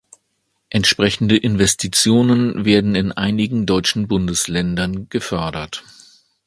Entsprechende Investitionen werden in einigen deutschen Bundesländern gefördert.